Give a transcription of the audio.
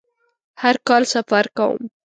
هر کال سفر کوم